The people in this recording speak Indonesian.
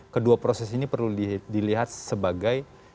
kedua proses ini perlu dilihat sebagai